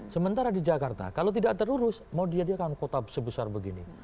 sementara di jakarta kalau tidak terurus mau dia diakan kota sebesar begini